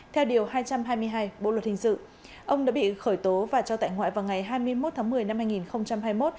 theo điều hai trăm hai mươi hai bộ luật hình sự ông đã bị khởi tố và cho tại ngoại vào ngày hai mươi một tháng một mươi năm hai nghìn hai mươi một